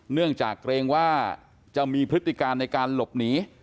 เนื่องจากเกรงว่าจะมีพฤติการในการหลบหนี